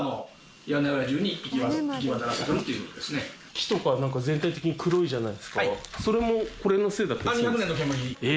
木とか全体的に黒いじゃないですかそれもこれのせいだったりするんですか？